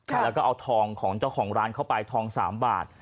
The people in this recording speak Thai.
แล้วก็เอาทองของเจ้าของร้านเข้าไปทอง๓บาท